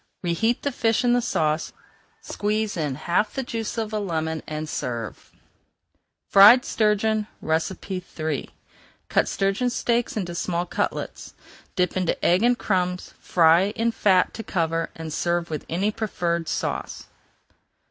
Reheat the fish in the sauce, squeeze in the juice of half a lemon, and serve. FRIED STURGEON III Cut sturgeon steaks into small cutlets. Dip into egg and crumbs, fry in fat to cover, and serve with any preferred sauce.